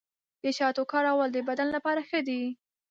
د شاتو کارول د بدن لپاره ښه دي.